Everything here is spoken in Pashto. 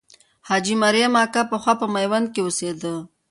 حاجي مریم اکا پخوا په میوند کې اوسېده.